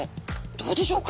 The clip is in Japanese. どうでしょうか？